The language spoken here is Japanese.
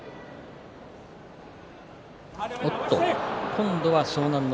今度は湘南乃